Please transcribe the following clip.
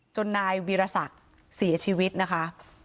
นายวีรศักดิ์เสียชีวิตนะคะ